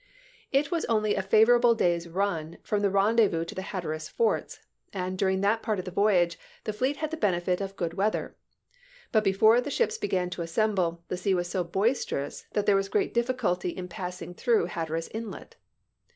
It was only a favorable day's run from the ren dezvous to the Hatteras forts, and during that part of the voyage the fleet had the benefit of good weather; but before the ships began to assemble, the sea was so boisterous that there was great diffi culty in passing through Hatteras Inlet.